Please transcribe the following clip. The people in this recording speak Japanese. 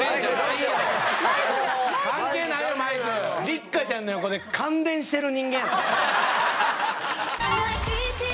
六花ちゃんの横で感電してる人間やったで。